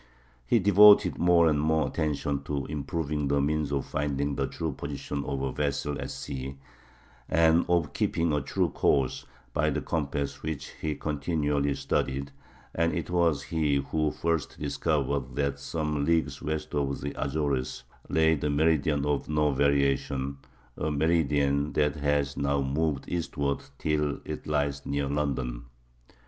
He devoted more and more attention to improving the means of finding the true position of a vessel at sea, and of keeping a true course by the compass, which he continually studied; and it was he who first discovered that some leagues west of the Azores lay the meridian of no variation—a meridian that has now moved eastward until it lies near London.